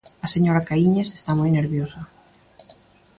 A señora Caíñas está moi nerviosa.